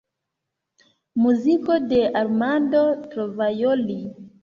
Muziko de Armando Trovajoli.